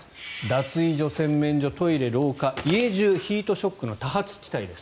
脱衣所、洗面所、トイレ、廊下家中ヒートショックの多発地帯です。